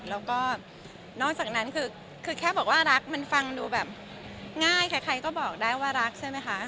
แล้วก็นอกจากนั้นคือแค่บอกว่ารักมันฟังดูแบบง่ายใครก็บอกได้ว่ารักใช่ไหมคะ